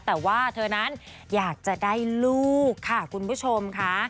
แต่ว่าเธอนั้นอยากจะได้ลูกค่ะคุณผู้ชมค่ะ